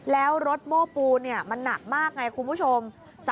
แล้วรถโม้ปูนมันหนักมากไงคุณผู้ชม